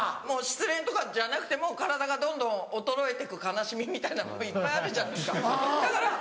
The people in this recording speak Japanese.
もう失恋とかじゃなくても体がどんどん衰えてく悲しみみたいなのもいっぱいあるじゃないですか。